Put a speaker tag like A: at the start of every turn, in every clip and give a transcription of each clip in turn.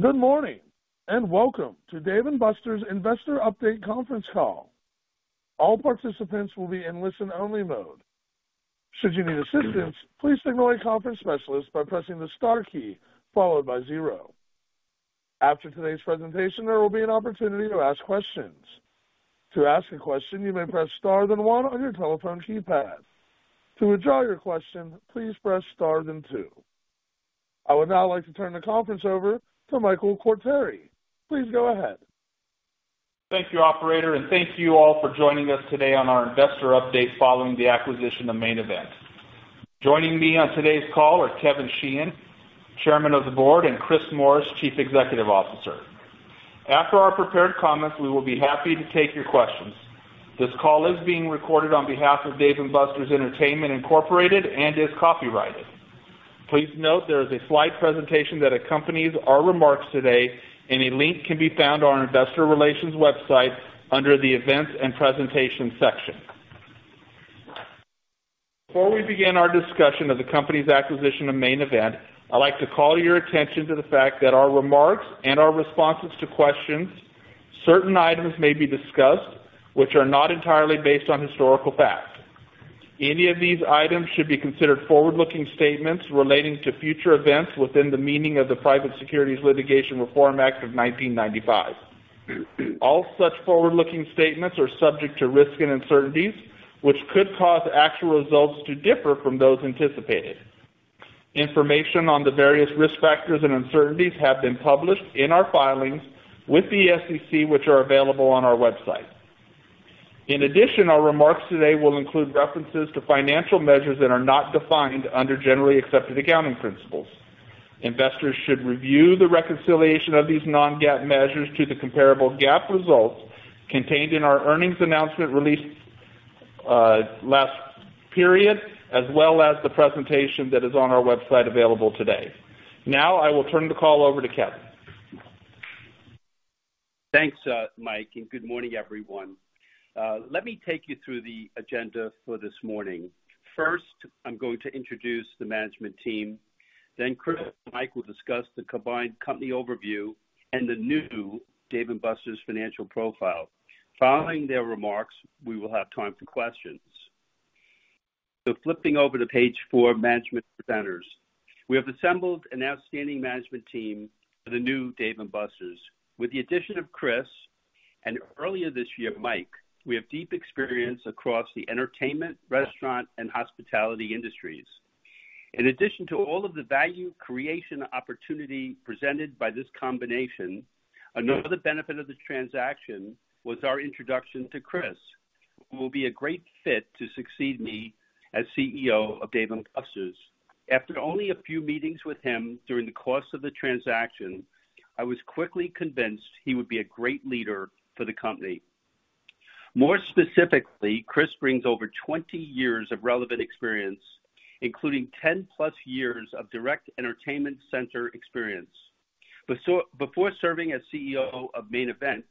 A: Good morning, and welcome to Dave & Buster's Investor Update Conference Call. All participants will be in listen-only mode. Should you need assistance, please signal a conference specialist by pressing the star key followed by zero. After today's presentation, there will be an opportunity to ask questions. To ask a question, you may press star then one on your telephone keypad. To withdraw your question, please press star then two. I would now like to turn the conference over to Michael Quartieri. Please go ahead.
B: Thank you, operator, and thank you all for joining us today on our investor update following the acquisition of Main Event. Joining me on today's call are Kevin Sheehan, Chairman of the Board, and Chris Morris, Chief Executive Officer. After our prepared comments, we will be happy to take your questions. This call is being recorded on behalf of Dave & Buster's Entertainment Incorporated and is copyrighted. Please note there is a slide presentation that accompanies our remarks today, and a link can be found on our investor relations website under the Events and Presentation section. Before we begin our discussion of the company's acquisition of Main Event, I'd like to call your attention to the fact that our remarks and our responses to questions, certain items may be discussed which are not entirely based on historical facts. Any of these items should be considered forward-looking statements relating to future events within the meaning of the Private Securities Litigation Reform Act of 1995. All such forward-looking statements are subject to risks and uncertainties, which could cause actual results to differ from those anticipated. Information on the various risk factors and uncertainties have been published in our filings with the SEC, which are available on our website. In addition, our remarks today will include references to financial measures that are not defined under generally accepted accounting principles. Investors should review the reconciliation of these non-GAAP measures to the comparable GAAP results contained in our earnings announcement released last period, as well as the presentation that is on our website available today. Now I will turn the call over to Kevin.
C: Thanks, Mike, and good morning, everyone. Let me take you through the agenda for this morning. First, I'm going to introduce the management team. Then Chris and Mike will discuss the combined company overview and the new Dave & Buster's financial profile. Following their remarks, we will have time for questions. Flipping over to page four, management presenters. We have assembled an outstanding management team for the new Dave & Buster's. With the addition of Chris, and earlier this year, Mike, we have deep experience across the entertainment, restaurant, and hospitality industries. In addition to all of the value creation opportunity presented by this combination, another benefit of this transaction was our introduction to Chris, who will be a great fit to succeed me as CEO of Dave & Buster's. After only a few meetings with him during the course of the transaction, I was quickly convinced he would be a great leader for the company. More specifically, Chris brings over 20 years of relevant experience, including 10-plus years of direct entertainment center experience. Before serving as CEO of Main Event,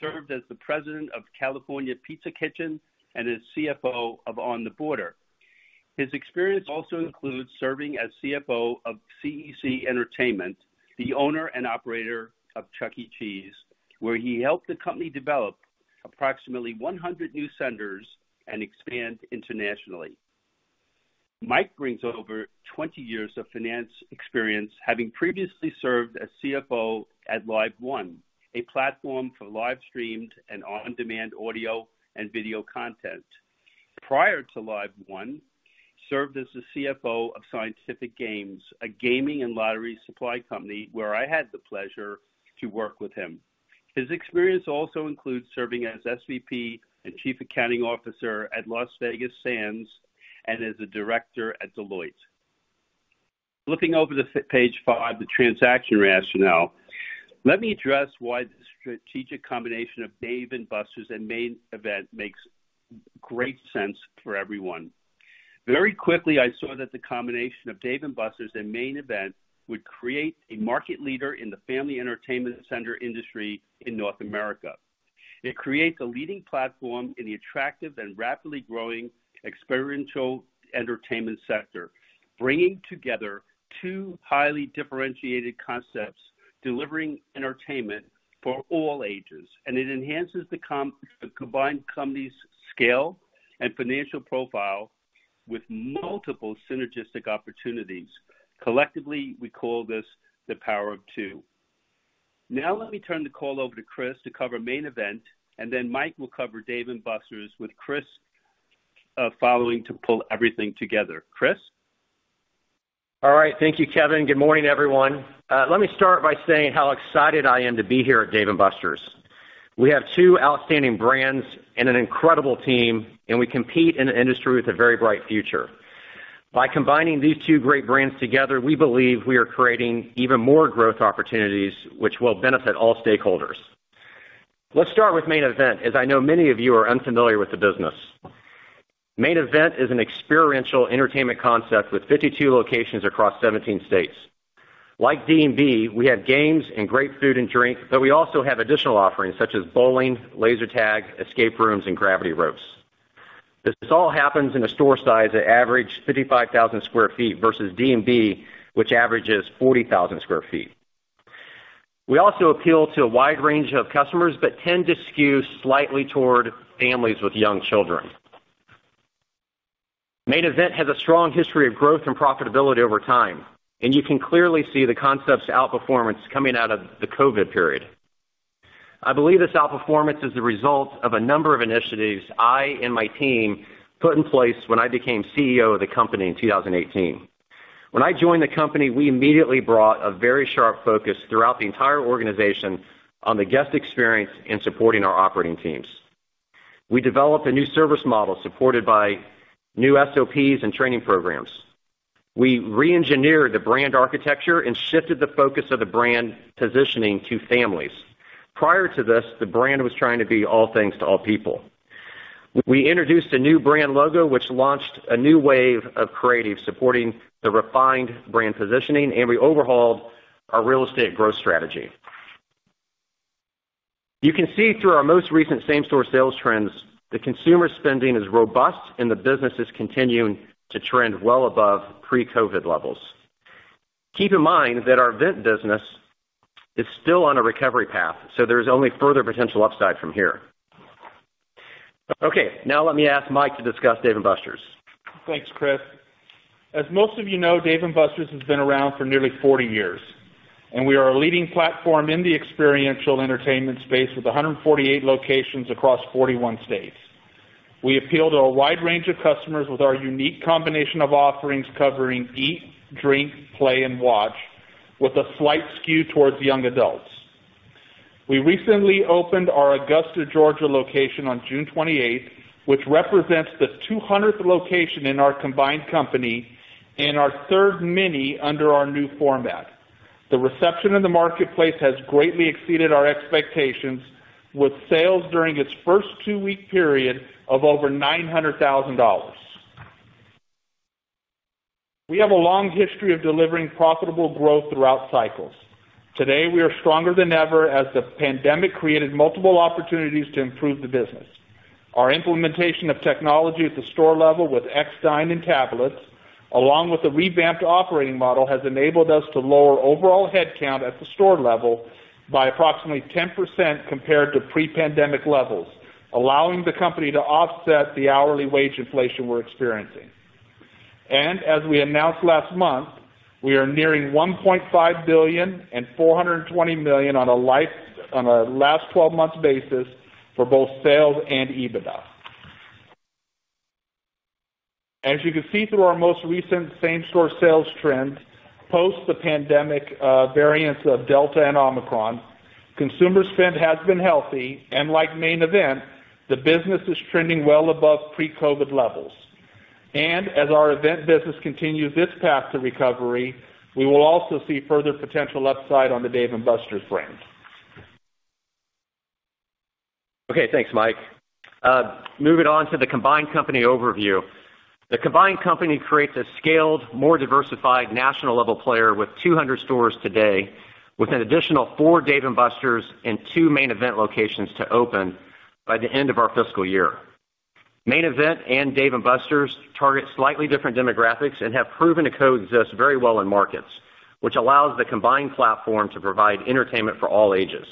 C: served as the president of California Pizza Kitchen and as CFO of On the Border. His experience also includes serving as CFO of CEC Entertainment, the owner and operator of Chuck E. Cheese, where he helped the company develop approximately 100 new centers and expand internationally. Mike brings over 20 years of finance experience, having previously served as CFO at LiveOne, a platform for live-streamed and on-demand audio and video content. Prior to LiveOne, served as the CFO of Scientific Games, a gaming and lottery supply company where I had the pleasure to work with him. His experience also includes serving as SVP and Chief Accounting Officer at Las Vegas Sands and as a director at Deloitte. Looking over the deck, page five, the transaction rationale, let me address why the strategic combination of Dave & Buster's and Main Event makes great sense for everyone. Very quickly, I saw that the combination of Dave & Buster's and Main Event would create a market leader in the family entertainment center industry in North America. It creates a leading platform in the attractive and rapidly growing experiential entertainment sector, bringing together two highly differentiated concepts, delivering entertainment for all ages. It enhances the combined company's scale and financial profile with multiple synergistic opportunities. Collectively, we call this the Power of 2. Now let me turn the call over to Chris to cover Main Event, and then Mike will cover Dave & Buster's with Chris, following to pull everything together. Chris.
D: All right. Thank you, Kevin. Good morning, everyone. Let me start by saying how excited I am to be here at Dave & Buster's. We have two outstanding brands and an incredible team, and we compete in an industry with a very bright future. By combining these two great brands together, we believe we are creating even more growth opportunities which will benefit all stakeholders. Let's start with Main Event, as I know many of you are unfamiliar with the business. Main Event is an experiential entertainment concept with 52 locations across 17 states. Like D&B, we have games and great food and drink, but we also have additional offerings such as bowling, laser tag, escape rooms, and gravity ropes. This all happens in a store size that average 55,000 sq ft versus D&B, which averages 40,000 sq ft. We also appeal to a wide range of customers, but tend to skew slightly toward families with young children. Main Event has a strong history of growth and profitability over time, and you can clearly see the concept's outperformance coming out of the COVID period. I believe this outperformance is the result of a number of initiatives I and my team put in place when I became CEO of the company in 2018. When I joined the company, we immediately brought a very sharp focus throughout the entire organization on the guest experience in supporting our operating teams. We developed a new service model supported by new SOPs and training programs. We reengineered the brand architecture and shifted the focus of the brand positioning to families. Prior to this, the brand was trying to be all things to all people. We introduced a new brand logo, which launched a new wave of creative supporting the refined brand positioning, and we overhauled our real estate growth strategy. You can see through our most recent same-store sales trends that consumer spending is robust and the business is continuing to trend well above pre-COVID levels. Keep in mind that our event business is still on a recovery path, so there is only further potential upside from here. Okay, now let me ask Mike to discuss Dave & Buster's.
B: Thanks, Chris. As most of you know, Dave & Buster's has been around for nearly 40 years, and we are a leading platform in the experiential entertainment space with 148 locations across 41 states. We appeal to a wide range of customers with our unique combination of offerings covering eat, drink, play, and watch, with a slight skew towards young adults. We recently opened our Augusta, Georgia location on June 28th, which represents the 200th location in our combined company and our 3rd mini under our new format. The reception in the marketplace has greatly exceeded our expectations with sales during its first 2-week period of over $900,000. We have a long history of delivering profitable growth throughout cycles. Today, we are stronger than ever as the pandemic created multiple opportunities to improve the business. Our implementation of technology at the store level with xDine and tablets, along with the revamped operating model, has enabled us to lower overall head count at the store level by approximately 10% compared to pre-pandemic levels, allowing the company to offset the hourly wage inflation we're experiencing. As we announced last month, we are nearing $1.5 billion and $420 million on a last twelve months basis for both sales and EBITDA. As you can see through our most recent same-store sales trends, post the pandemic, variants of Delta and Omicron, consumer spend has been healthy, and like Main Event, the business is trending well above pre-COVID levels. As our event business continues its path to recovery, we will also see further potential upside on the Dave & Buster's brand.
D: Okay. Thanks, Mike. Moving on to the combined company overview. The combined company creates a scaled, more diversified national-level player with 200 stores today, with an additional 4 Dave & Buster's and 2 Main Event locations to open by the end of our fiscal year. Main Event and Dave & Buster's target slightly different demographics and have proven to coexist very well in markets, which allows the combined platform to provide entertainment for all ages.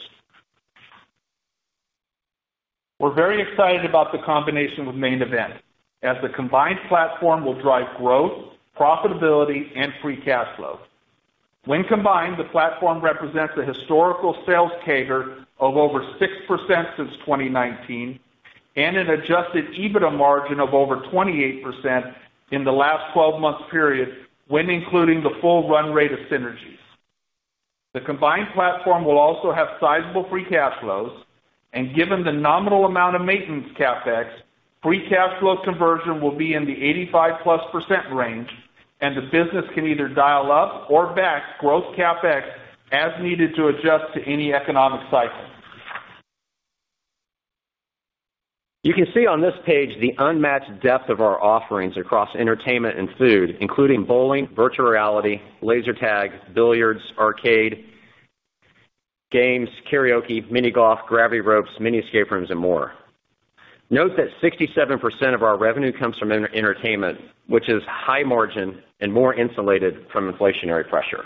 B: We're very excited about the combination with Main Event, as the combined platform will drive growth, profitability, and free cash flow. When combined, the platform represents a historical sales CAGR of over 6% since 2019 and an adjusted EBITDA margin of over 28% in the last 12 months period when including the full run rate of synergies. The combined platform will also have sizable free cash flows, and given the nominal amount of maintenance CapEx, free cash flow conversion will be in the 85%+ range, and the business can either dial up or back growth CapEx as needed to adjust to any economic cycle.
D: You can see on this page the unmatched depth of our offerings across entertainment and food, including bowling, virtual reality, laser tag, billiards, arcade games, karaoke, mini golf, gravity ropes, mini escape rooms, and more. Note that 67% of our revenue comes from entertainment, which is high margin and more insulated from inflationary pressure.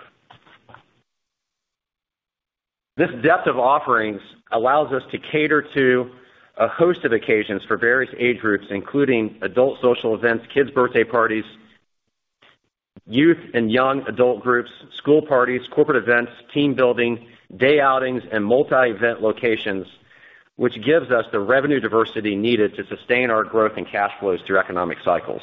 D: This depth of offerings allows us to cater to a host of occasions for various age groups, including adult social events, kids' birthday parties, youth and young adult groups, school parties, corporate events, team building, day outings, and multi-event locations, which gives us the revenue diversity needed to sustain our growth and cash flows through economic cycles.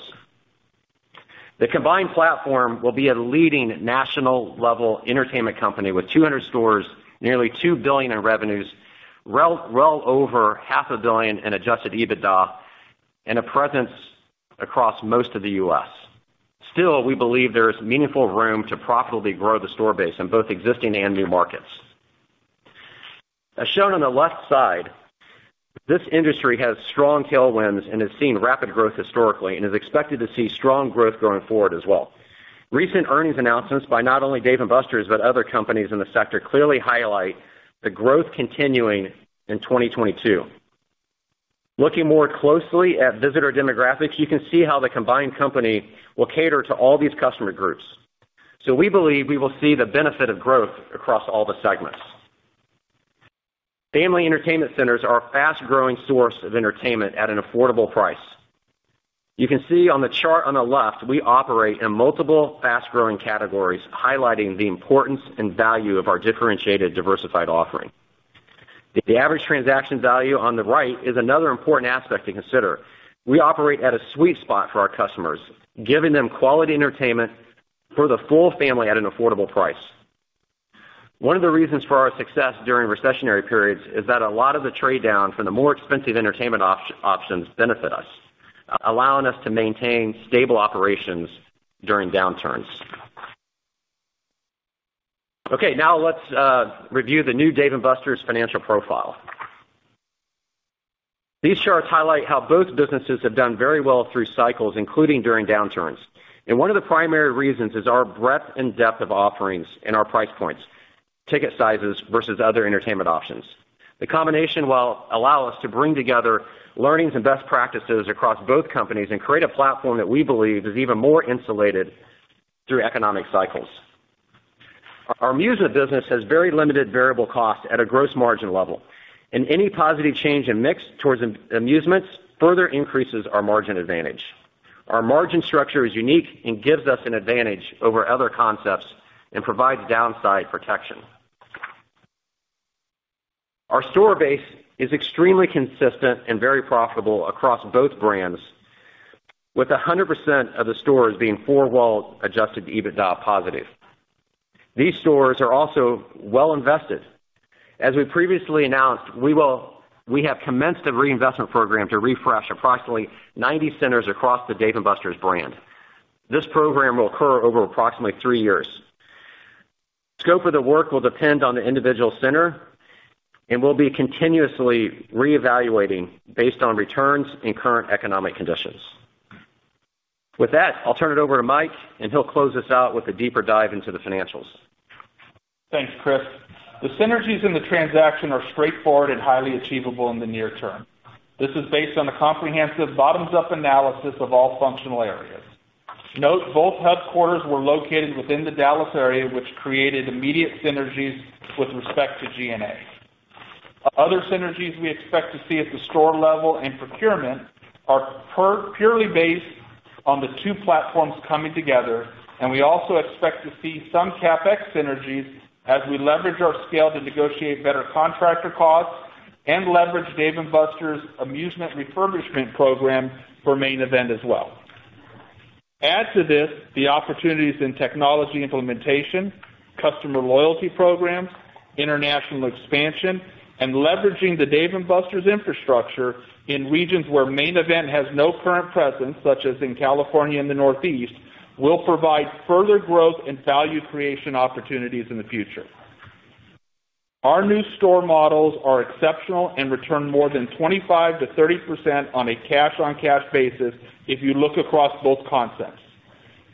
D: The combined platform will be a leading national-level entertainment company with 200 stores, nearly $2 billion in revenues, well over $0.5 billion in adjusted EBITDA, and a presence across most of the U.S. Still, we believe there is meaningful room to profitably grow the store base in both existing and new markets. As shown on the left side, this industry has strong tailwinds and has seen rapid growth historically and is expected to see strong growth going forward as well. Recent earnings announcements by not only Dave & Buster's, but other companies in the sector clearly highlight the growth continuing in 2022. Looking more closely at visitor demographics, you can see how the combined company will cater to all these customer groups. We believe we will see the benefit of growth across all the segments. Family entertainment centers are a fast-growing source of entertainment at an affordable price. You can see on the chart on the left, we operate in multiple fast-growing categories, highlighting the importance and value of our differentiated, diversified offering. The average transaction value on the right is another important aspect to consider. We operate at a sweet spot for our customers, giving them quality entertainment for the full family at an affordable price. One of the reasons for our success during recessionary periods is that a lot of the trade-down from the more expensive entertainment options benefit us, allowing us to maintain stable operations during downturns. Okay, now let's review the new Dave & Buster's financial profile. These charts highlight how both businesses have done very well through cycles, including during downturns. One of the primary reasons is our breadth and depth of offerings and our price points, ticket sizes versus other entertainment options. The combination will allow us to bring together learnings and best practices across both companies and create a platform that we believe is even more insulated through economic cycles. Our amusement business has very limited variable cost at a gross margin level, and any positive change in mix towards amusements further increases our margin advantage. Our margin structure is unique and gives us an advantage over other concepts and provides downside protection. Our store base is extremely consistent and very profitable across both brands, with 100% of the stores being four-wall adjusted EBITDA positive. These stores are also well invested. As we previously announced, we have commenced a reinvestment program to refresh approximately 90 centers across the Dave & Buster's brand. This program will occur over approximately 3 years. Scope of the work will depend on the individual center, and we'll be continuously reevaluating based on returns and current economic conditions. With that, I'll turn it over to Mike, and he'll close us out with a deeper dive into the financials.
B: Thanks, Chris. The synergies in the transaction are straightforward and highly achievable in the near term. This is based on a comprehensive bottoms-up analysis of all functional areas. Note, both headquarters were located within the Dallas area, which created immediate synergies with respect to G&A. Other synergies we expect to see at the store level and procurement are purely based on the two platforms coming together, and we also expect to see some CapEx synergies as we leverage our scale to negotiate better contractor costs and leverage Dave & Buster's amusement refurbishment program for Main Event as well. Add to this the opportunities in technology implementation, customer loyalty programs, international expansion, and leveraging the Dave & Buster's infrastructure in regions where Main Event has no current presence, such as in California and the Northeast, will provide further growth and value creation opportunities in the future. Our new store models are exceptional and return more than 25%-30% on a cash-on-cash basis if you look across both concepts.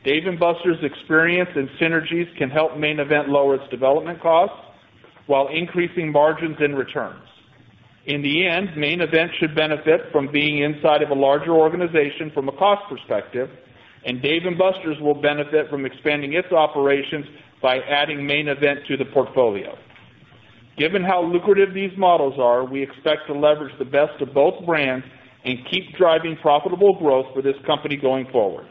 B: Dave & Buster's experience and synergies can help Main Event lower its development costs while increasing margins and returns. In the end, Main Event should benefit from being inside of a larger organization from a cost perspective, and Dave & Buster's will benefit from expanding its operations by adding Main Event to the portfolio. Given how lucrative these models are, we expect to leverage the best of both brands and keep driving profitable growth for this company going forward.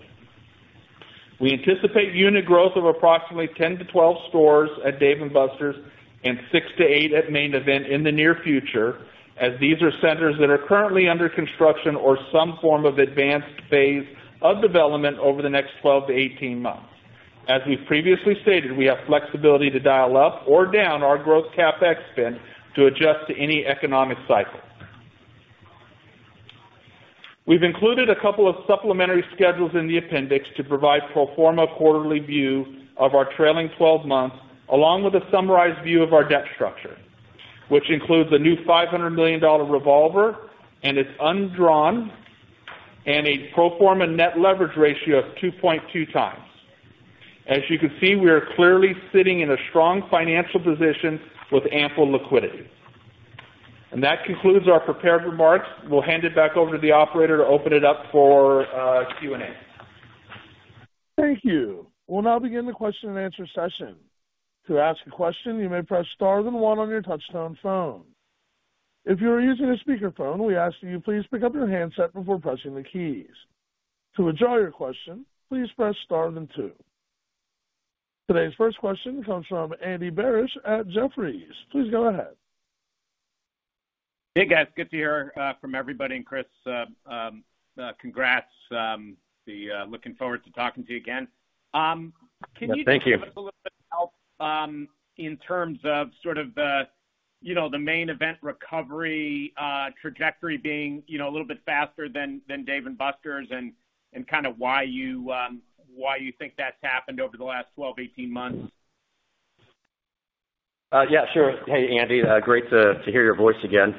B: We anticipate unit growth of approximately 10-12 stores at Dave & Buster's and 6-8 at Main Event in the near future, as these are centers that are currently under construction or some form of advanced phase of development over the next 12-18 months. As we've previously stated, we have flexibility to dial up or down our growth CapEx spend to adjust to any economic cycle. We've included a couple of supplementary schedules in the appendix to provide pro forma quarterly view of our trailing twelve months, along with a summarized view of our debt structure, which includes a new $500 million revolver and it's undrawn and a pro forma net leverage ratio of 2.2x. As you can see, we are clearly sitting in a strong financial position with ample liquidity. That concludes our prepared remarks. We'll hand it back over to the operator to open it up for Q&A.
A: Thank you. We'll now begin the question-and-answer session. To ask a question, you may press star then one on your touchtone phone. If you are using a speaker phone, we ask that you please pick up your handset before pressing the keys. To withdraw your question, please press star then two. Today's first question comes from Andy Barish at Jefferies. Please go ahead.
E: Thank you. In terms of sort of the, you know, the Main Event recovery, trajectory being, you know, a little bit faster than Dave & Buster's and kind of why you think that's happened over the last 12, 18 months?
D: Yeah, sure. Hey, Andy. Great to hear your voice again.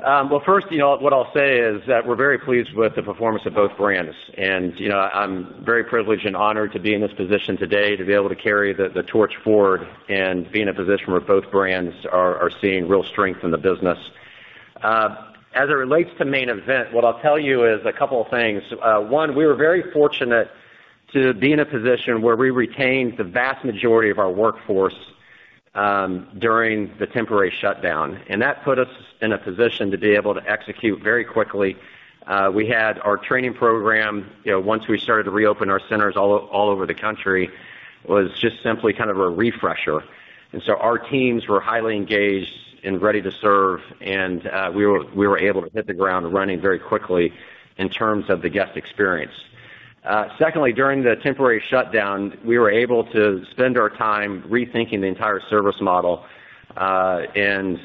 D: Well, first, you know, what I'll say is that we're very pleased with the performance of both brands. You know, I'm very privileged and honored to be in this position today to be able to carry the torch forward and be in a position where both brands are seeing real strength in the business. As it relates to Main Event, what I'll tell you is a couple of things. One, we were very fortunate to be in a position where we retained the vast majority of our workforce during the temporary shutdown, and that put us in a position to be able to execute very quickly. We had our training program, you know, once we started to reopen our centers all over the country, was just simply kind of a refresher. Our teams were highly engaged and ready to serve. We were able to hit the ground running very quickly in terms of the guest experience. Secondly, during the temporary shutdown, we were able to spend our time rethinking the entire service model, and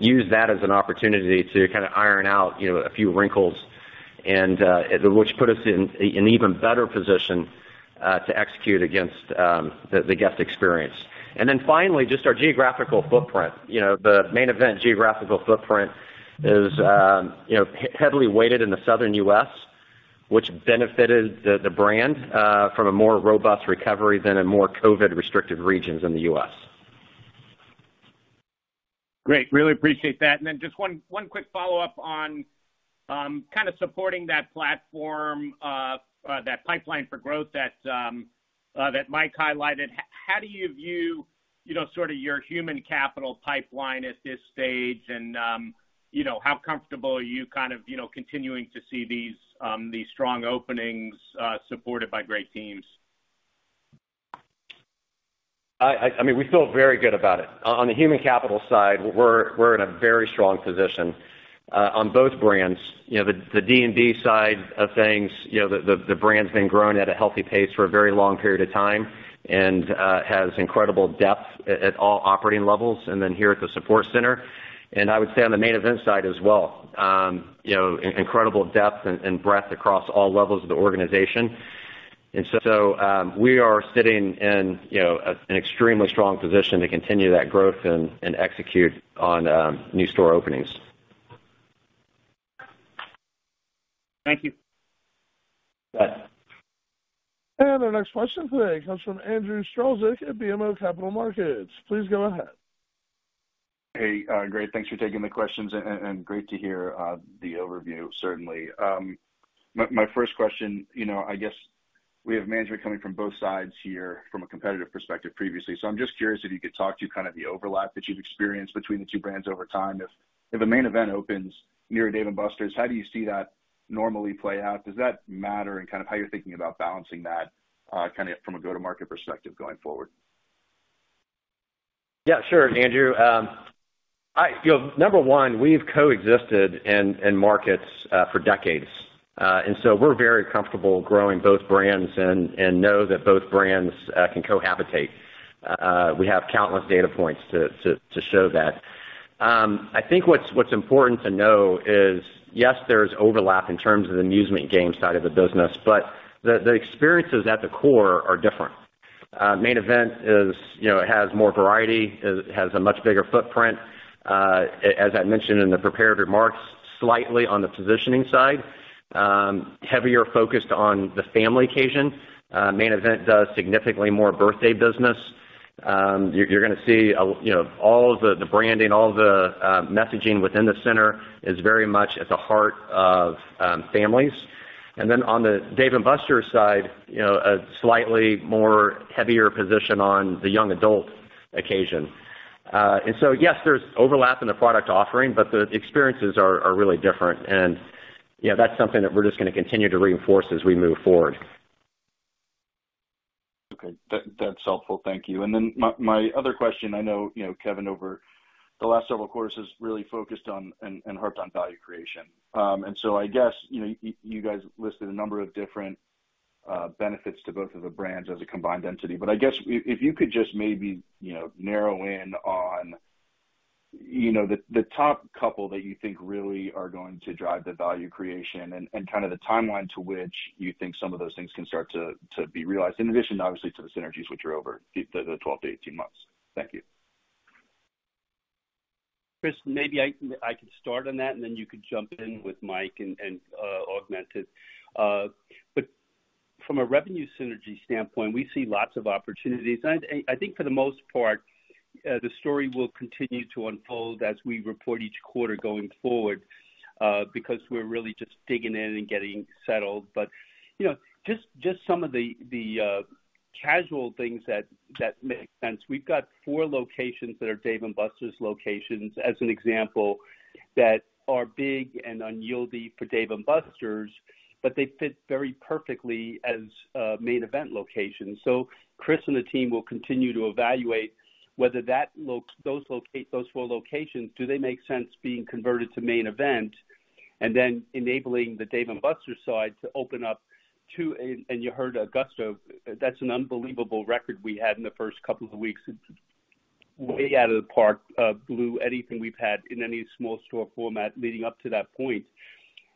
D: use that as an opportunity to kind of iron out, you know, a few wrinkles and which put us in even better position to execute against the guest experience. Finally, just our geographical footprint. You know, the Main Event geographical footprint is, you know, heavily weighted in the southern U.S., which benefited the brand from a more robust recovery than in more COVID-restricted regions in the U.S.
E: Great. Really appreciate that. Then just one quick follow-up on kind of supporting that platform that pipeline for growth that Mike highlighted. How do you view, you know, sort of your human capital pipeline at this stage? You know, how comfortable are you kind of, you know, continuing to see these strong openings supported by great teams?
D: I mean, we feel very good about it. On the human capital side, we're in a very strong position on both brands. You know, the D&B side of things, you know, the brand's been growing at a healthy pace for a very long period of time and has incredible depth at all operating levels, and then here at the support center. I would say on the Main Event side as well, you know, incredible depth and breadth across all levels of the organization. We are sitting in, you know, an extremely strong position to continue that growth and execute on new store openings.
E: Thank you.
D: Yes.
A: Our next question today comes from Andrew Strelzik at BMO Capital Markets. Please go ahead.
F: Hey, great. Thanks for taking the questions and great to hear the overview certainly. My first question, you know, I guess we have management coming from both sides here from a competitive perspective previously. I'm just curious if you could talk to kind of the overlap that you've experienced between the two brands over time. If a Main Event opens near a Dave & Buster's, how do you see that normally play out? Does that matter in kind of how you're thinking about balancing that, kind of from a go-to-market perspective going forward?
D: Yeah, sure. Andrew. You know, number one, we've coexisted in markets for decades. We're very comfortable growing both brands and know that both brands can cohabitate. We have countless data points to show that. I think what's important to know is, yes, there's overlap in terms of the amusement game side of the business, but the experiences at the core are different. Main Event is, you know, has more variety. It has a much bigger footprint. As I mentioned in the prepared remarks, slightly on the positioning side, heavier focused on the family occasion. Main Event does significantly more birthday business. You're gonna see, you know, all of the branding, all the messaging within the center is very much at the heart of families. On the Dave & Buster's side, you know, a slightly more heavier position on the young adult occasion. Yes, there's overlap in the product offering, but the experiences are really different. You know, that's something that we're just gonna continue to reinforce as we move forward.
F: Okay. That's helpful. Thank you. My other question, I know, you know, Kevin over the last several quarters has really focused on and harped on value creation. I guess, you know, you guys listed a number of different benefits to both of the brands as a combined entity. I guess if you could just maybe, you know, narrow in on the top couple that you think really are going to drive the value creation and kind of the timeline to which you think some of those things can start to be realized, in addition, obviously, to the synergies which are over the 12-18 months. Thank you.
C: Chris, maybe I can start on that, and then you can jump in with Mike and augment it. From a revenue synergy standpoint, we see lots of opportunities. I think for the most part, the story will continue to unfold as we report each quarter going forward, because we're really just digging in and getting settled. You know, just some of the casual things that make sense. We've got four locations that are Dave & Buster's locations, as an example, that are big and underutilized for Dave & Buster's, but they fit very perfectly as Main Event locations. Chris and the team will continue to evaluate whether those four locations do they make sense being converted to Main Event and then enabling the Dave & Buster's side to open up to a. You heard Augusta, that's an unbelievable record we had in the first couple of weeks. It's way out of the park, blew anything we've had in any small store format leading up to that point.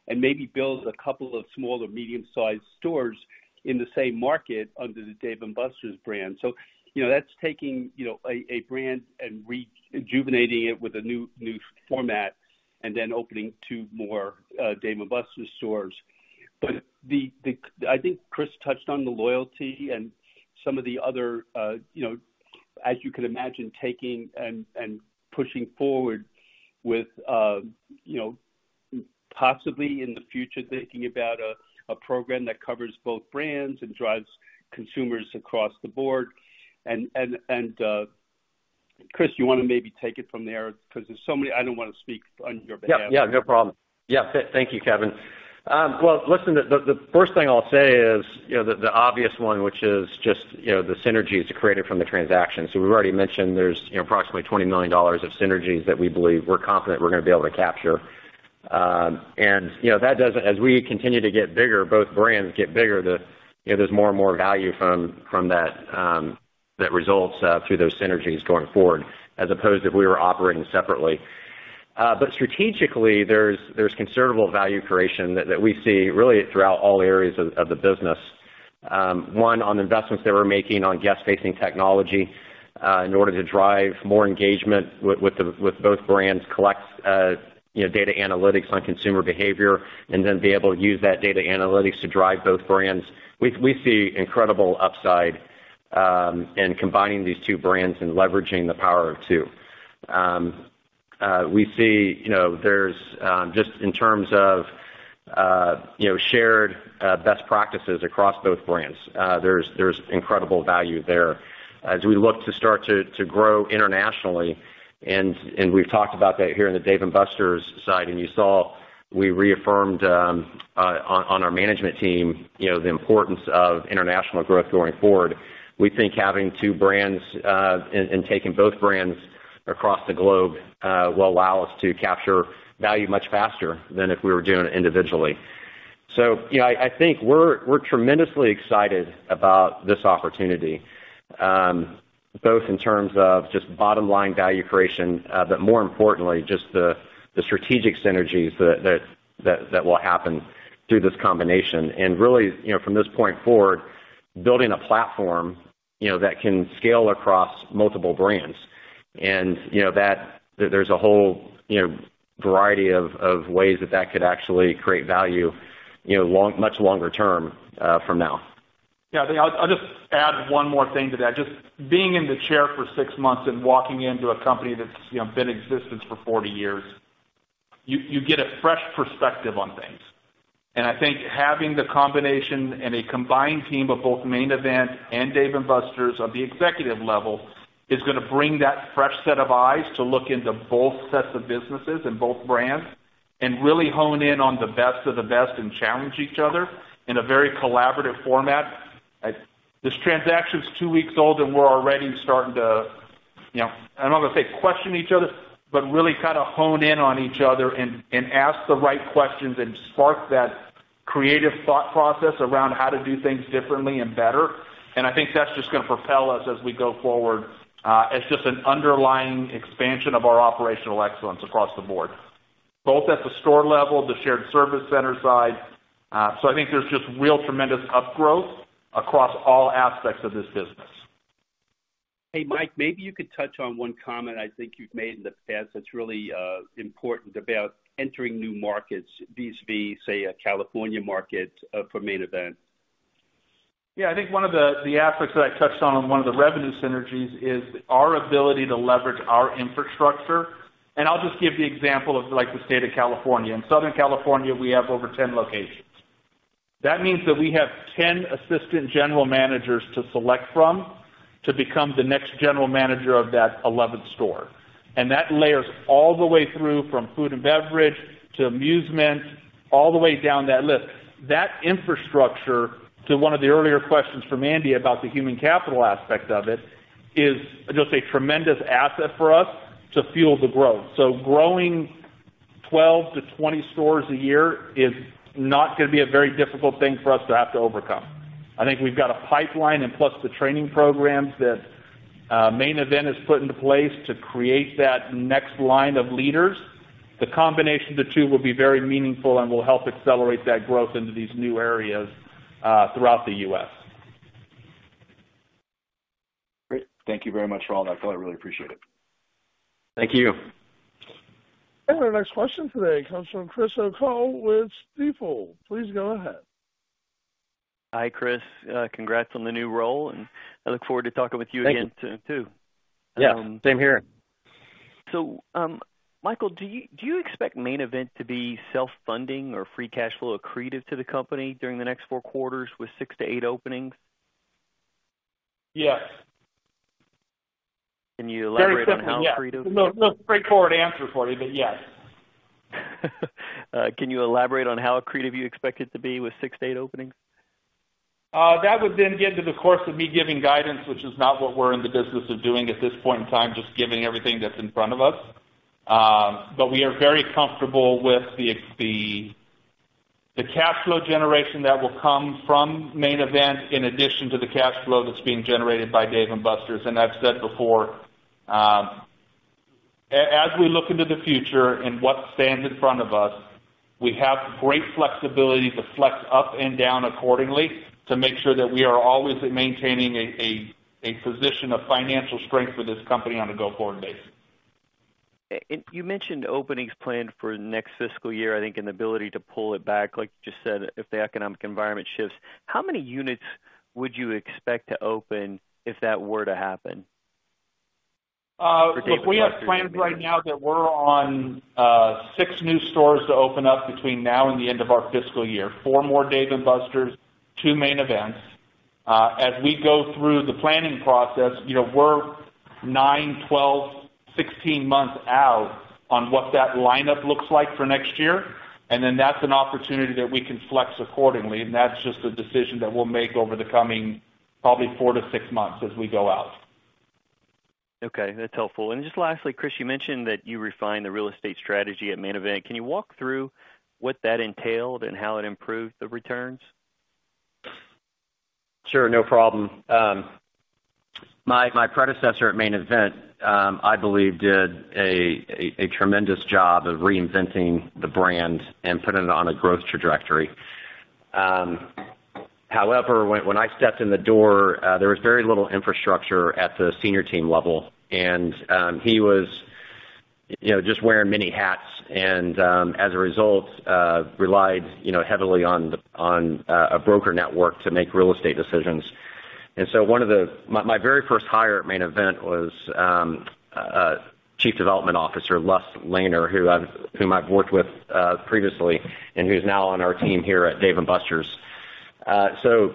C: Maybe build a couple of small or medium-sized stores in the same market under the Dave & Buster's brand. You know, that's taking a brand and rejuvenating it with a new format, and then opening two more Dave & Buster's stores. I think Chris touched on the loyalty and some of the other, you know, as you could imagine, taking and pushing forward with, you know, possibly in the future, thinking about a program that covers both brands and drives consumers across the board. Chris, you wanna maybe take it from there because there's so many. I don't wanna speak on your behalf.
D: Yeah. Yeah, no problem. Yeah. Thank you, Kevin. Well, listen, the first thing I'll say is, you know, the obvious one, which is just, you know, the synergies created from the transaction. We've already mentioned there's, you know, approximately $20 million of synergies that we believe we're confident we're gonna be able to capture. That doesn't. As we continue to get bigger, both brands get bigger, you know, there's more and more value from that that results through those synergies going forward, as opposed if we were operating separately. Strategically, there's considerable value creation that we see really throughout all areas of the business. One, on investments that we're making on guest-facing technology, in order to drive more engagement with both brands, collect data analytics on consumer behavior, and then be able to use that data analytics to drive both brands. We see incredible upside in combining these two brands and leveraging the Power of 2. We see, you know, there's just in terms of shared best practices across both brands, there's incredible value there. As we look to start to grow internationally, and we've talked about that here in the Dave & Buster's side, and you saw we reaffirmed on our management team, you know, the importance of international growth going forward. We think having two brands and taking both brands across the globe will allow us to capture value much faster than if we were doing it individually. You know, I think we're tremendously excited about this opportunity, both in terms of just bottom line value creation, but more importantly, just the strategic synergies that will happen through this combination. Really, you know, from this point forward, building a platform, you know, that can scale across multiple brands. You know, that there's a whole, you know, variety of ways that could actually create value, you know, much longer term from now.
B: Yeah. I think I'll just add one more thing to that. Just being in the chair for 6 months and walking into a company that's, you know, been in existence for 40 years, you get a fresh perspective on things. I think having the combination and a combined team of both Main Event and Dave & Buster's of the executive level is gonna bring that fresh set of eyes to look into both sets of businesses and both brands and really hone in on the best of the best and challenge each other in a very collaborative format. This transaction's 2 weeks old, and we're already starting to, you know, I don't wanna say question each other, but really kind of hone in on each other and ask the right questions and spark that creative thought process around how to do things differently and better. I think that's just gonna propel us as we go forward, as just an underlying expansion of our operational excellence across the board, both at the store level, the shared service center side. I think there's just real tremendous upgrowth across all aspects of this business.
C: Hey, Mike, maybe you could touch on one comment I think you've made in the past that's really important about entering new markets, vis-a-vis, say, a California market, for Main Event.
B: Yeah. I think one of the aspects that I touched on one of the revenue synergies is our ability to leverage our infrastructure. I'll just give the example of, like, the state of California. In Southern California, we have over 10 locations. That means that we have 10 assistant general managers to select from to become the next general manager of that 11th store. That layers all the way through, from food and beverage to amusement, all the way down that list. That infrastructure, to one of the earlier questions from Andy about the human capital aspect of it, is just a tremendous asset for us to fuel the growth. Growing 12 to 20 stores a year is not gonna be a very difficult thing for us to have to overcome. I think we've got a pipeline and plus the training programs that Main Event has put into place to create that next line of leaders. The combination of the two will be very meaningful and will help accelerate that growth into these new areas throughout the U.S.
C: Great. Thank you very much for all that, Michael. I really appreciate it.
B: Thank you.
A: Our next question today comes from Chris O'Cull with Stifel. Please go ahead.
G: Hi, Chris. Congrats on the new role, and I look forward to talking with you again.
D: Thank you. soon too. Yeah, same here.
G: Michael, do you expect Main Event to be self-funding or free cash flow accretive to the company during the next 4 quarters with 6-8 openings?
B: Yes.
G: Can you elaborate on how accretive?
B: Very simple, yeah. No straightforward answer for you, but yes.
G: Can you elaborate on how accretive you expect it to be with 6-8 openings?
B: That would then get into the course of me giving guidance, which is not what we're in the business of doing at this point in time, just given everything that's in front of us. But we are very comfortable with the cash flow generation that will come from Main Event in addition to the cash flow that's being generated by Dave & Buster's. I've said before, as we look into the future and what stands in front of us, we have great flexibility to flex up and down accordingly to make sure that we are always maintaining a position of financial strength for this company on a go-forward basis.
G: You mentioned openings planned for next fiscal year, I think, and the ability to pull it back, like you just said, if the economic environment shifts. How many units would you expect to open if that were to happen?
B: We have plans right now that we're on 6 new stores to open up between now and the end of our fiscal year. 4 more Dave & Buster's, 2 Main Events. As we go through the planning process, you know, we're 9, 12, 16 months out on what that lineup looks like for next year. Then that's an opportunity that we can flex accordingly. That's just a decision that we'll make over the coming probably 4-6 months as we go out.
G: Okay, that's helpful. Just lastly, Chris, you mentioned that you refined the real estate strategy at Main Event. Can you walk through what that entailed and how it improved the returns?
D: Sure. No problem. My predecessor at Main Event, I believe did a tremendous job of reinventing the brand and putting it on a growth trajectory. However, when I stepped in the door, there was very little infrastructure at the senior team level, and he was, you know, just wearing many hats and, as a result, relied, you know, heavily on a broker network to make real estate decisions. My very first hire at Main Event was Chief Development Officer Les Leher, whom I've worked with previously and who's now on our team here at Dave & Buster's.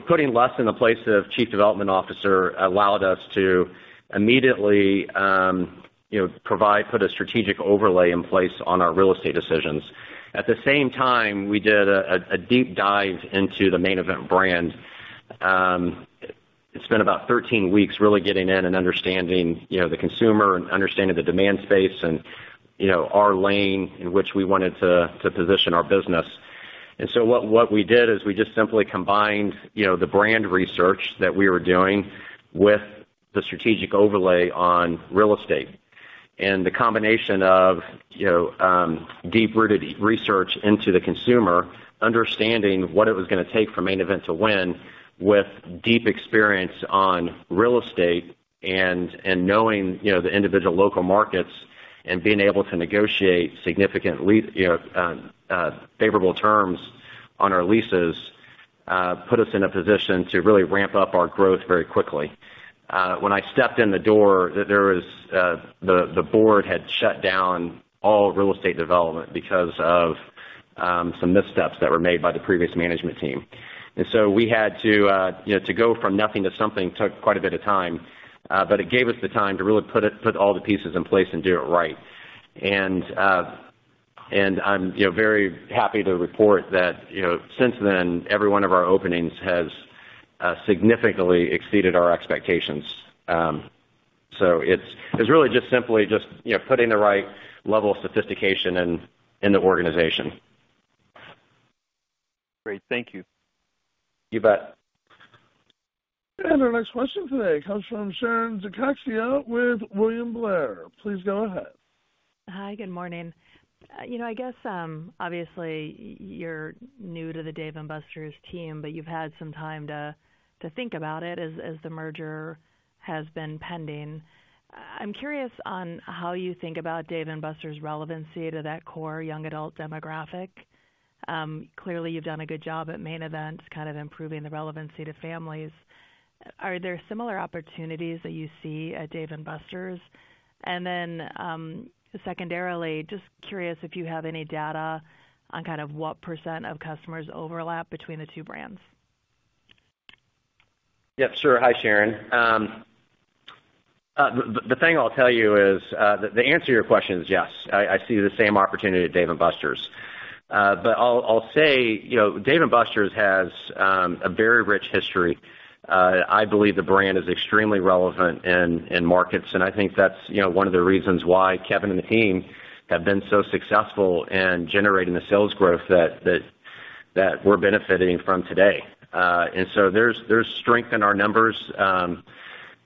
D: Putting Les in the place of Chief Development Officer allowed us to immediately, you know, put a strategic overlay in place on our real estate decisions. At the same time, we did a deep dive into the Main Event brand. It's been about 13 weeks, really getting in and understanding, you know, the consumer and understanding the demand space and, you know, our lane in which we wanted to position our business. What we did is we just simply combined, you know, the brand research that we were doing with the strategic overlay on real estate. The combination of, you know, deep-rooted research into the consumer, understanding what it was gonna take for Main Event to win with deep experience on real estate and knowing, you know, the individual local markets and being able to negotiate significant lease, you know, favorable terms on our leases put us in a position to really ramp up our growth very quickly. When I stepped in the door, there was the board had shut down all real estate development because of some missteps that were made by the previous management team. We had to, you know to go from nothing to something took quite a bit of time, but it gave us the time to really put all the pieces in place and do it right. I'm, you know, very happy to report that, you know, since then, every one of our openings has significantly exceeded our expectations. It's really just simply just, you know, putting the right level of sophistication in the organization.
G: Great. Thank you.
D: You bet.
A: Our next question today comes from Sharon Zackfia with William Blair. Please go ahead.
H: Hi. Good morning. Obviously you're new to the Dave & Buster's team, but you've had some time to think about it as the merger has been pending. I'm curious on how you think about Dave & Buster's relevancy to that core young adult demographic. Clearly, you've done a good job at Main Event, improving the relevancy to families. Are there similar opportunities that you see at Dave & Buster's? Secondarily, just curious if you have any data on what percent of customers overlap between the two brands.
D: Yep, sure. Hi, Sharon. The thing I'll tell you is the answer to your question is yes. I see the same opportunity at Dave & Buster's. I'll say, you know, Dave & Buster's has a very rich history. I believe the brand is extremely relevant in markets, and I think that's, you know, one of the reasons why Kevin and the team have been so successful in generating the sales growth that we're benefiting from today. There's strength in our numbers.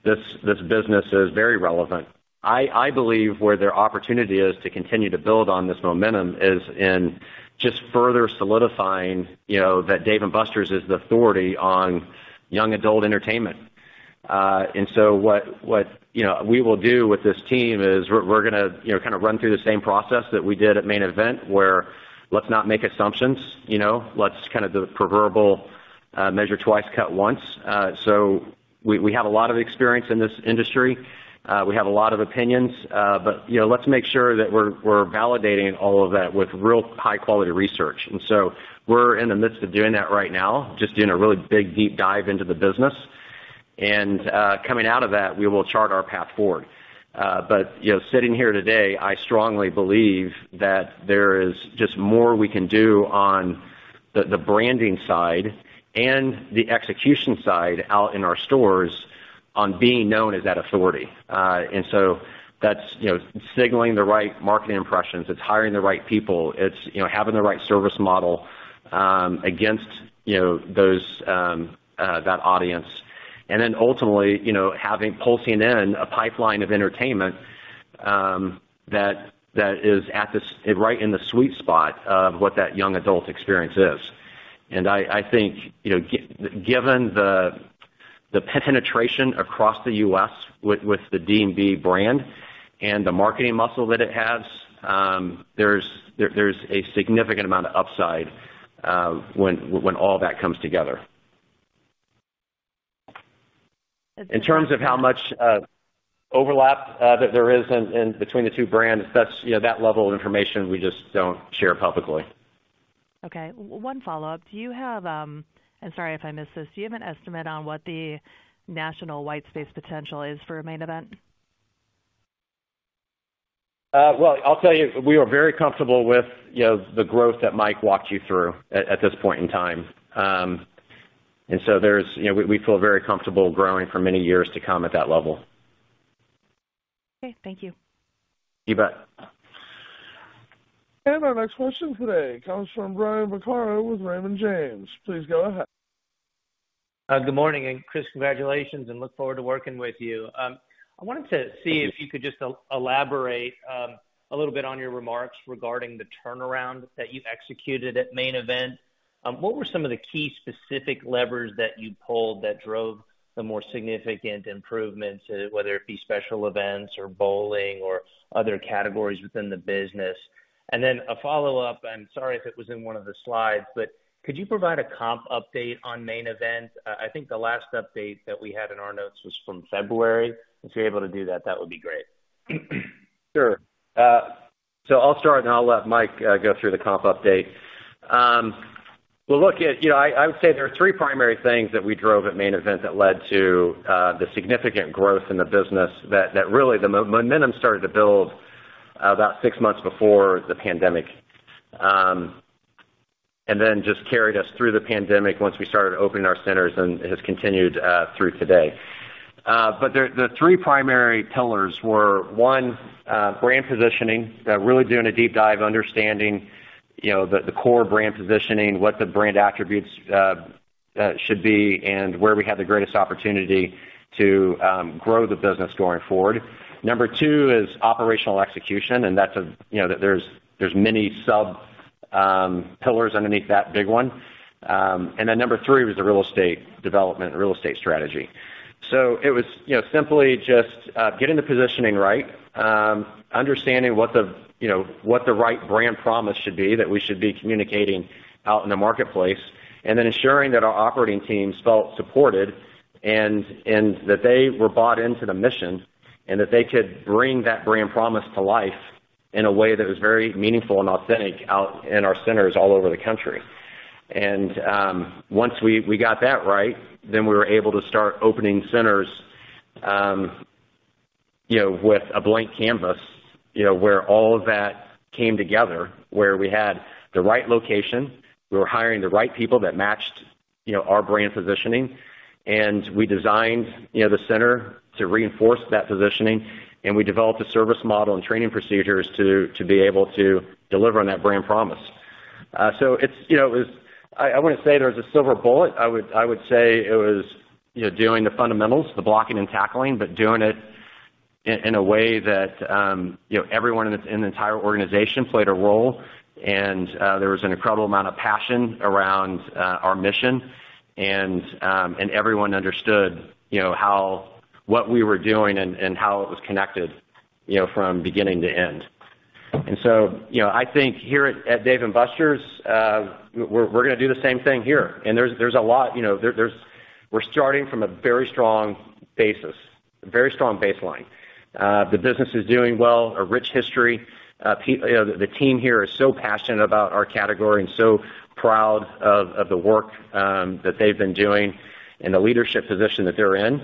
D: This business is very relevant. I believe where their opportunity is to continue to build on this momentum is in just further solidifying, you know, that Dave & Buster's is the authority on young adult entertainment. What we will do with this team is we're gonna kind of run through the same process that we did at Main Event, where let's not make assumptions, you know. Let's kind of do the proverbial measure twice, cut once. We have a lot of experience in this industry. We have a lot of opinions, but you know, let's make sure that we're validating all of that with real high-quality research. We're in the midst of doing that right now, just doing a really big deep dive into the business. Coming out of that, we will chart our path forward. You know, sitting here today, I strongly believe that there is just more we can do on the branding side and the execution side out in our stores on being known as that authority. That's, you know, signaling the right market impressions. It's hiring the right people. It's, you know, having the right service model against, you know, that audience. Then ultimately, you know, having pulsing in a pipeline of entertainment that is right in the sweet spot of what that young adult experience is. I think, you know, given the penetration across the U.S. with the D&B brand and the marketing muscle that it has, there's a significant amount of upside when all that comes together. In terms of how much overlap that there is in between the two brands, that's, you know, that level of information we just don't share publicly.
H: Okay. One follow-up. Do you have... Sorry if I missed this. Do you have an estimate on what the national white space potential is for Main Event?
D: Well, I'll tell you, we are very comfortable with you know, the growth that Mike walked you through at this point in time. You know, we feel very comfortable growing for many years to come at that level.
H: Okay, thank you.
D: You bet.
A: Our next question today comes from Brian Vaccaro with Raymond James. Please go ahead.
I: Good morning, and Chris, congratulations and look forward to working with you.
D: Thank you.
I: If you could just elaborate a little bit on your remarks regarding the turnaround that you executed at Main Event. What were some of the key specific levers that you pulled that drove the more significant improvements, whether it be special events or bowling or other categories within the business? A follow-up, and sorry if it was in one of the slides, but could you provide a comp update on Main Event? I think the last update that we had in our notes was from February. If you're able to do that would be great.
D: Sure. So I'll start, and I'll let Mike go through the comps update. Well, look, you know, I would say there are three primary things that we drove at Main Event that led to the significant growth in the business that really the momentum started to build about six months before the pandemic, and then just carried us through the pandemic once we started opening our centers and has continued through today. The three primary pillars were, one, brand positioning, really doing a deep dive, understanding, you know, the core brand positioning, what the brand attributes should be, and where we have the greatest opportunity to grow the business going forward. Number two is operational execution, and that's, you know, there's many sub pillars underneath that big one. Number three was the real estate development, real estate strategy. It was, you know, simply just getting the positioning right, understanding what the, you know, what the right brand promise should be, that we should be communicating out in the marketplace, and then ensuring that our operating teams felt supported and that they were bought into the mission, and that they could bring that brand promise to life in a way that was very meaningful and authentic out in our centers all over the country. Once we got that right, then we were able to start opening centers, you know, with a blank canvas, you know, where all of that came together, where we had the right location, we were hiring the right people that matched, you know, our brand positioning, and we designed, you know, the center to reinforce that positioning, and we developed a service model and training procedures to be able to deliver on that brand promise. It was, you know, I wouldn't say there was a silver bullet. I would say it was, you know, doing the fundamentals, the blocking and tackling, but doing it in a way that, you know, everyone in the entire organization played a role. there was an incredible amount of passion around our mission and everyone understood, you know, how what we were doing and how it was connected, you know, from beginning to end. you know, I think here at Dave & Buster's, we're gonna do the same thing here. there's a lot, you know. We're starting from a very strong basis, a very strong baseline. the business is doing well, a rich history. you know, the team here is so passionate about our category and so proud of the work that they've been doing and the leadership position that they're in.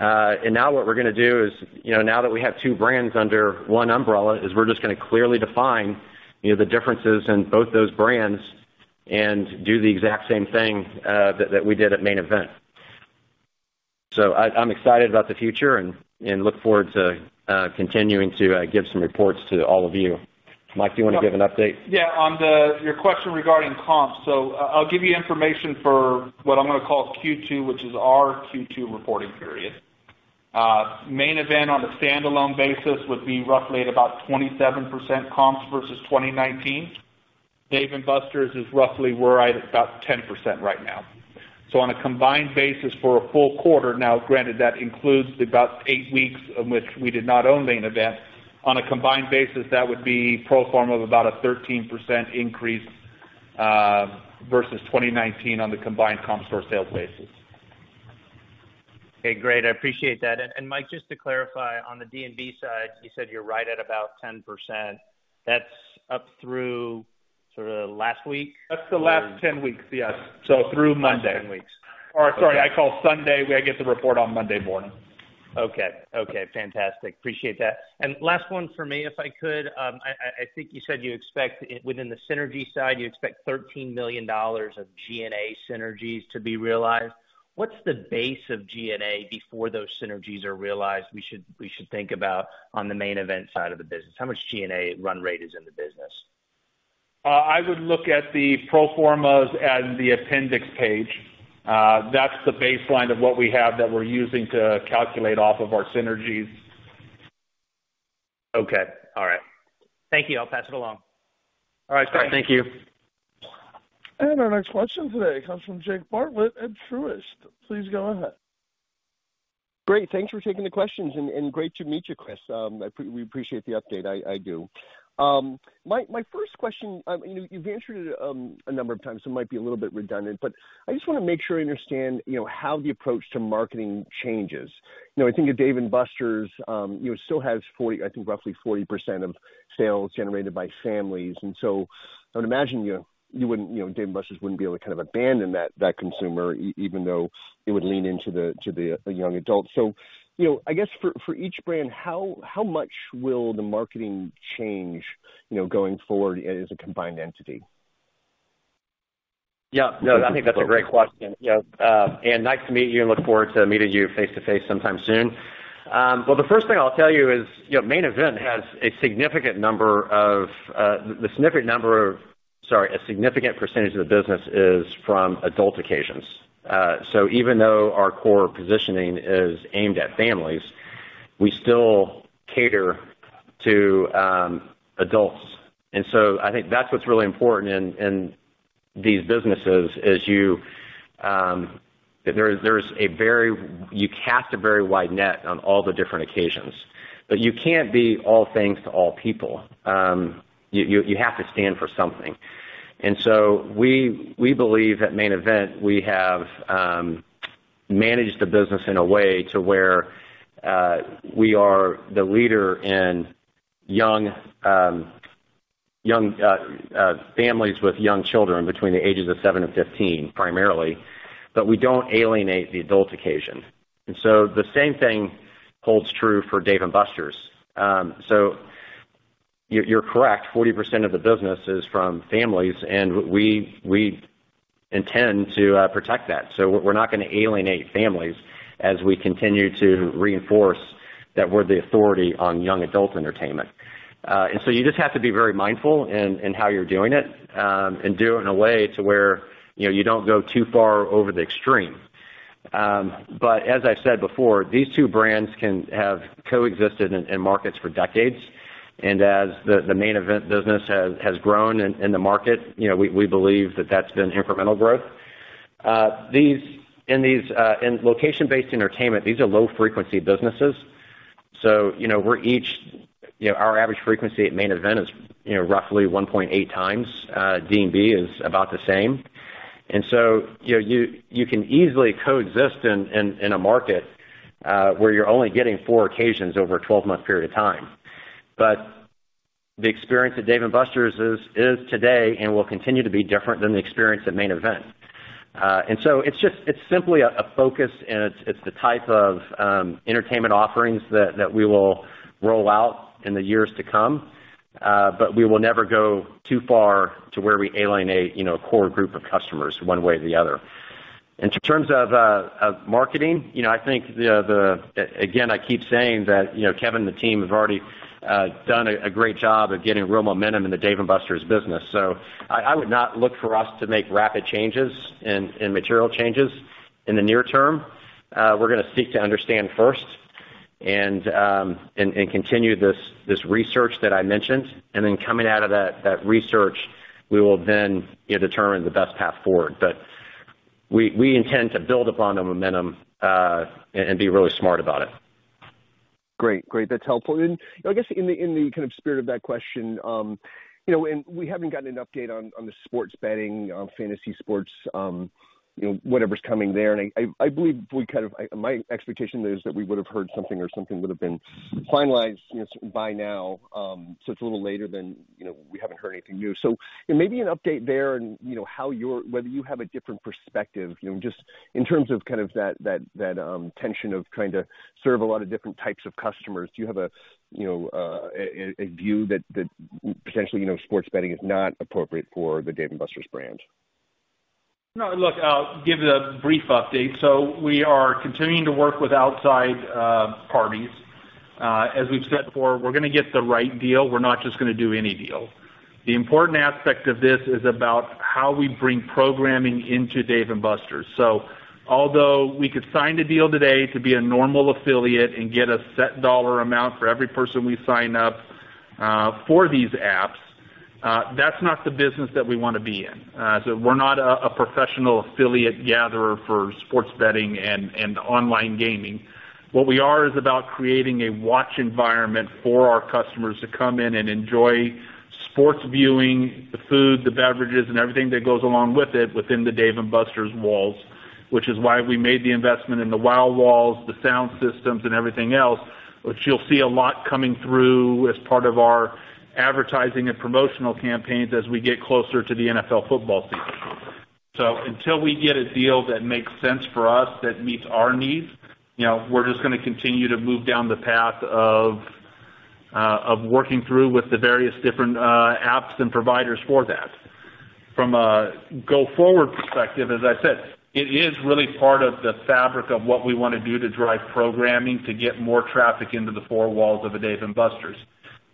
D: Now what we're gonna do is, you know, now that we have two brands under one umbrella, is we're just gonna clearly define, you know, the differences in both those brands and do the exact same thing that we did at Main Event. I'm excited about the future and look forward to continuing to give some reports to all of you. Mike, do you wanna give an update?
B: Yeah. On your question regarding comps. I'll give you information for what I'm gonna call Q2, which is our Q2 reporting period. Main Event on a standalone basis would be roughly at about 27% comps versus 2019. Dave & Buster's is roughly we're right at about 10% right now. On a combined basis for a full quarter, now granted, that includes about 8 weeks in which we did not own Main Event. On a combined basis, that would be pro forma of about a 13% increase, versus 2019 on the combined comp store sales basis.
I: Okay, great. I appreciate that. Mike, just to clarify, on the D&B side, you said you're right at about 10%. That's up through sort of last week?
B: That's the last 10 weeks, yes.
I: Through Monday.
B: Last 10 weeks. I recall, Sunday we get the report on Monday morning.
I: Okay. Okay, fantastic. Appreciate that. Last one for me, if I could. I think you said you expect within the synergy side, you expect $13 million of G&A synergies to be realized. What's the base of G&A before those synergies are realized we should think about on the Main Event side of the business? How much G&A run rate is in the business?
D: I would look at the pro formas and the appendix page. That's the baseline of what we have that we're using to calculate off of our synergies.
I: Okay. All right. Thank you. I'll pass it along.
D: All right. Bye.
I: Thank you.
A: Our next question today comes from Jake Bartlett at Truist. Please go ahead.
J: Great. Thanks for taking the questions and great to meet you, Chris. We appreciate the update. I do. My first question, you know, you've answered it a number of times, so it might be a little bit redundant, but I just wanna make sure I understand, you know, how the approach to marketing changes. You know, I think at Dave & Buster's, you know, still has roughly 40% of sales generated by families. I would imagine you wouldn't, you know, Dave & Buster's wouldn't be able to kind of abandon that consumer even though it would lean into the young adults. You know, I guess for each brand, how much will the marketing change, you know, going forward as a combined entity?
D: Yeah. No, I think that's a great question. Yeah. Nice to meet you and look forward to meeting you face-to-face sometime soon. The first thing I'll tell you is, you know, Main Event has a significant percentage of the business from adult occasions. So even though our core positioning is aimed at families, we still cater to adults. I think that's what's really important in these businesses is you cast a very wide net on all the different occasions, but you can't be all things to all people. You have to stand for something. We believe at Main Event we have managed the business in a way to where we are the leader in young families with young children between the ages of 7 and 15, primarily. We don't alienate the adult occasion. The same thing holds true for Dave & Buster's. You are correct, 40% of the business is from families, and we intend to protect that. We're not gonna alienate families as we continue to reinforce that we're the authority on young adult entertainment. You just have to be very mindful in how you're doing it, and do it in a way to where you know you don't go too far over the extreme. As I said before, these two brands can have coexisted in markets for decades. As the Main Event business has grown in the market, you know, we believe that that's been incremental growth. In these in location-based entertainment, these are low frequency businesses. You know, we're each, you know, our average frequency at Main Event is, you know, roughly 1.8 times, D&B is about the same. You know, you can easily coexist in a market where you're only getting 4 occasions over a 12-month period of time. The experience at Dave & Buster's is today and will continue to be different than the experience at Main Event. It's just, it's simply a focus, and it's the type of entertainment offerings that we will roll out in the years to come. We will never go too far to where we alienate, you know, a core group of customers one way or the other. In terms of marketing, you know, I think. Again, I keep saying that, you know, Kevin and the team have already done a great job of getting real momentum in the Dave & Buster's business. I would not look for us to make rapid changes and material changes in the near term. We're gonna seek to understand first and continue this research that I mentioned. Then coming out of that research, we will determine the best path forward. We intend to build upon the momentum and be really smart about it.
J: Great. That's helpful. I guess in the kind of spirit of that question, you know, and we haven't gotten an update on the sports betting, on fantasy sports, you know, whatever's coming there. I believe my expectation is that we would have heard something or something would have been finalized, you know, by now. It's a little later than, you know, we haven't heard anything new. Maybe an update there and, you know, whether you have a different perspective, you know, just in terms of kind of that tension of trying to serve a lot of different types of customers. Do you have a view that potentially, you know, sports betting is not appropriate for the Dave & Buster's brand?
D: No. Look, I'll give the brief update. We are continuing to work with outside parties. As we've said before, we're gonna get the right deal. We're not just gonna do any deal. The important aspect of this is about how we bring programming into Dave & Buster's. Although we could sign a deal today to be a normal affiliate and get a set dollar amount for every person we sign up for these apps, that's not the business that we wanna be in. We're not a professional affiliate gatherer for sports betting and online gaming. What we are is about creating a watch environment for our customers to come in and enjoy sports viewing, the food, the beverages, and everything that goes along with it within the Dave & Buster's walls, which is why we made the investment in the WOW Walls, the sound systems and everything else, which you'll see a lot coming through as part of our advertising and promotional campaigns as we get closer to the NFL football season. Until we get a deal that makes sense for us, that meets our needs, you know, we're just gonna continue to move down the path of working through with the various different apps and providers for that.
B: From a go-forward perspective, as I said, it is really part of the fabric of what we want to do to drive programming to get more traffic into the four walls of a Dave & Buster's.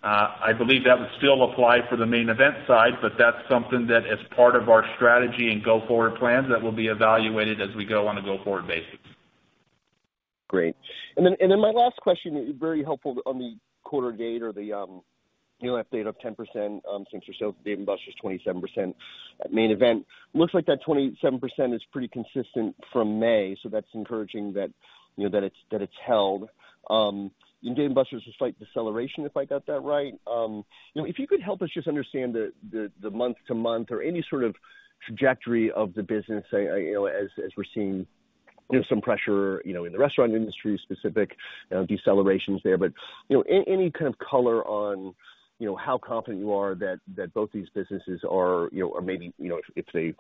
B: I believe that would still apply for the Main Event side, but that's something that as part of our strategy and go-forward plans, that will be evaluated as we go on a go-forward basis.
J: Great. Then my last question, very helpful on the quarter-to-date or the, you know, update of 10%, year-to-date Dave & Buster's 27% Main Event. Looks like that 27% is pretty consistent from May, so that's encouraging that, you know, that it's held. In Dave & Buster's a slight deceleration, if I got that right. You know, if you could help us just understand the month-to-month or any sort of trajectory of the business, you know, as we're seeing, you know, some pressure, you know, in the restaurant industry, specific decelerations there. You know, any kind of color on, you know, how confident you are that both these businesses are, you know, or maybe, you know, if they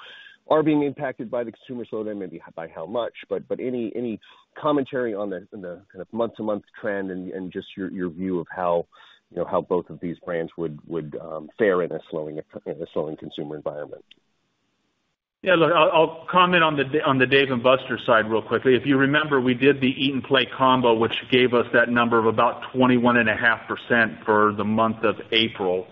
J: are being impacted by the consumer slowdown, maybe by how much. Any commentary on the kind of month-to-month trend and just your view of how, you know, how both of these brands would fare in a slowing consumer environment.
B: Yeah, look, I'll comment on the Dave & Buster's side real quickly. If you remember, we did the Eat & Play Combo, which gave us that number of about 21.5% for the month of April.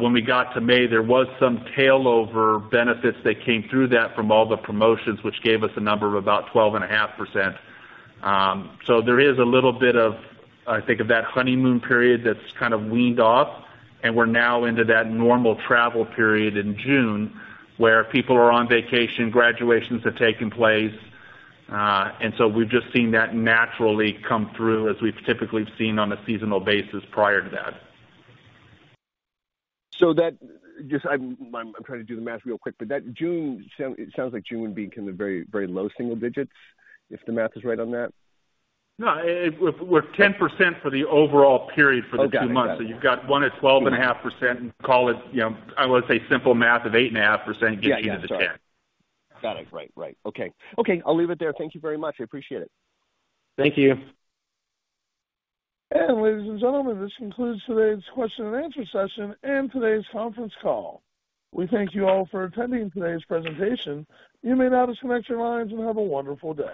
B: When we got to May, there was some tailwind benefits that came through that from all the promotions, which gave us a number of about 12.5%. There is a little bit of, I think, of that honeymoon period that's kind of weaned off and we're now into that normal travel period in June, where people are on vacation, graduations have taken place. We've just seen that naturally come through as we've typically seen on a seasonal basis prior to that.
J: Just, I'm trying to do the math real quick, but it sounds like June would be kind of very low single digits if the math is right on that.
B: No. If with 10% for the overall period for the 2 months.
J: Oh, got it.
B: You've got one at 12.5% and call it, you know, I would say simple math of 8.5% gets you to the 10.
J: Yeah. Sorry. Got it. Right. Okay, I'll leave it there. Thank you very much. I appreciate it.
B: Thank you.
A: Ladies and gentlemen, this concludes today's question and answer session and today's conference call. We thank you all for attending today's presentation. You may now disconnect your lines and have a wonderful day.